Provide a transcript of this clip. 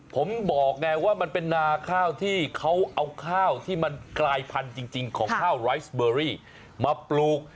ผมบอกไงว่ามันเป็นนาข้าวที่เขาเอาข้าวที่มันกลายพันธุ์จริงของข้าวไรซเบอรี่มาปลูก